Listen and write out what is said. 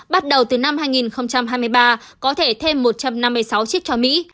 bắt đầu từ năm hai nghìn hai mươi ba có thể thêm một trăm năm mươi sáu chiếc cho mỹ